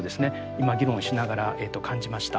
今議論しながら感じました。